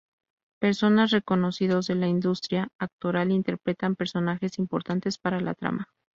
Personas reconocidos de la industria actoral interpretan personajes importantes para la trama.